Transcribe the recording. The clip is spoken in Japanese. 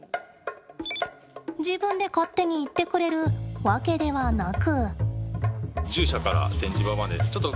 自分で勝手に行ってくれるわけではなく。